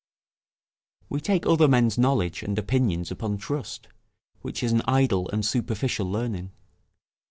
We take other men's knowledge and opinions upon trust; which is an idle and superficial learning.